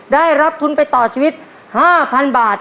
ได้รับทุนไปต่อชีวิต๕๐๐๐บาท